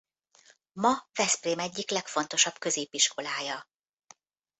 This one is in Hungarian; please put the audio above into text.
Ma Veszprém egyik legfontosabb középiskolája.